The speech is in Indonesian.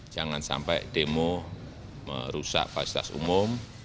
jangan sampai demo merusak fasilitas umum